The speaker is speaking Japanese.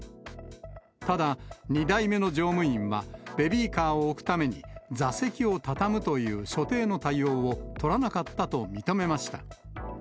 ただ、２台目の乗務員は、ベビーカーを置くために、座席を畳むという所定の対応を取らなかったと認めました。